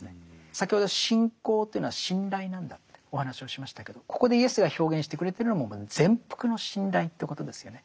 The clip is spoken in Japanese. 先ほど信仰というのは信頼なんだってお話をしましたけどここでイエスが表現してくれてるのも全幅の信頼ということですよね。